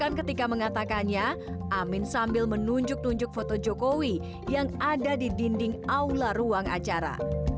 dan ketika mengatakannya amin sambil menunjuk nunjuk foto jokowi yang ada di dinding aula ruang acara